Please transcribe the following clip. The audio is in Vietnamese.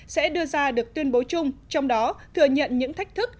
sẽ đưa ra được tuyên bố chung trong đó thừa nhận những thách thức